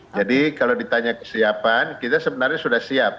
jadi kalau ditanya kesiapan kita sebenarnya sudah siap